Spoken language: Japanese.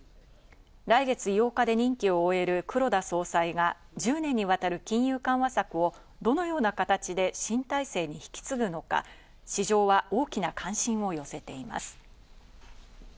来月８日で任期を終える黒田総裁が１０年にわたる金融緩和策をどのような形で新体制に引き継ぐのか、市場は大きな関心を寄せています。